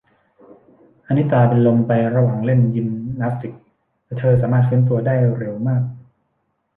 อะนิตาเป็นลมไประหว่างเล่นยิมนาสติก แต่เธอสามารถฟื้นตัวได้เร็วมาก